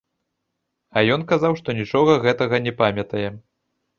А ён казаў, што нічога гэтага не памятае.